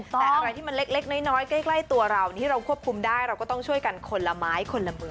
แต่อะไรที่มันเล็กน้อยใกล้ตัวเราที่เราควบคุมได้เราก็ต้องช่วยกันคนละไม้คนละมือ